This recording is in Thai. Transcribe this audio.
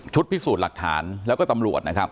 ชุดพิสูจน์หลักฐานแล้วก็ตำรวจ